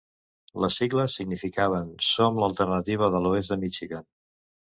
Les sigles significaven "Som l'alternativa de l'oest de Michigan".